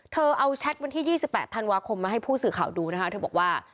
เธอเอาแชทวันที่๒๘ธันวาคมมาให้ผู้สื่อข่าวดูนะคะเธอบอกว่า